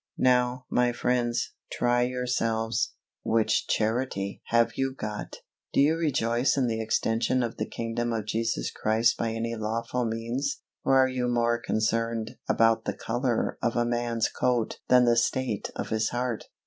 Now, my friends, try yourselves which Charity have you got? Do you rejoice in the extension of the kingdom of Jesus Christ by any lawful means, or are you more concerned _about the color of a man's coat than the state of his heart?